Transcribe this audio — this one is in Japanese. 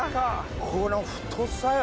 この太さよ。